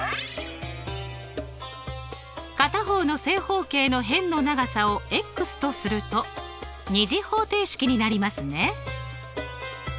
片方の正方形の辺の長さをとすると２次方程式になりますね。